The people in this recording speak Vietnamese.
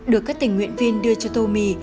được các tình nguyện viên đưa cho tô mì